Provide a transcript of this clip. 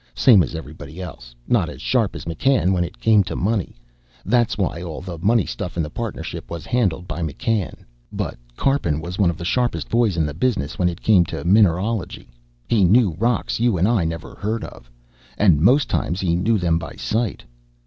"Same as everybody else. Not as sharp as McCann when it came to money. That's why all the money stuff in the partnership was handled by McCann. But Karpin was one of the sharpest boys in the business when it came to mineralogy. He knew rocks you and I never heard of, and most times he knew them by sight.